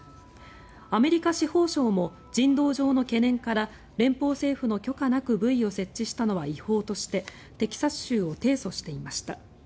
アメリカ司法省も人道上の懸念から連邦政府の許可なくブイを設置したのは違法としてテキサス州を提訴していました。